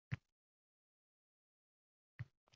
Oyim ayvondan ildam tushdi.